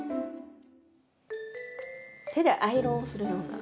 手でアイロンをするような。